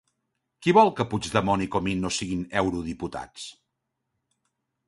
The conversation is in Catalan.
Qui vol que Puigdemont i Comín no siguin eurodiputats?